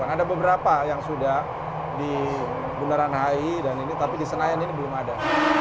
ada beberapa yang sudah di bundaran hi dan ini tapi di senayan ini belum ada